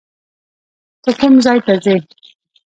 ته کوم ځای ته ځې؟